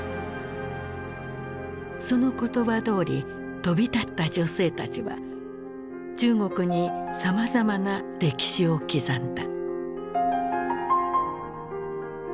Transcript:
その言葉どおり飛び立った女性たちは中国にさまざまな歴史を刻んだ。